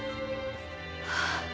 ああ。